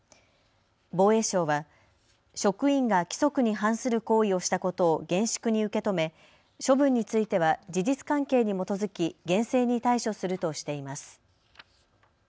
防衛省は職員が規則に反する行為をしたことを厳粛に受け止め処分については事実関係に基づき厳正に対処するとしています。